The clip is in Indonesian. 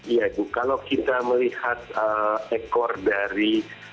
iya ibu kalau kita melihat ekor dari